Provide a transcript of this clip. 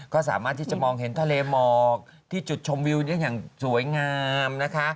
ก็สามารถที่จะมองเห็นทะเลหมอกที่จุดชมวิวได้อย่างสวยงามนะคะ